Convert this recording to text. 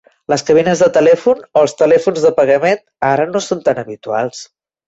Les cabines de telèfon o els telèfons de pagament ara no són tan habituals